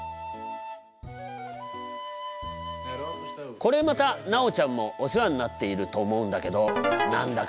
これまた奈央ちゃんもお世話になっていると思うんだけど何だか分かる？